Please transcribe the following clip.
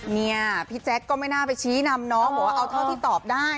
เนี่ยพี่แจ๊คก็ไม่น่าไปชี้นำน้องบอกว่าเอาเท่าที่ตอบได้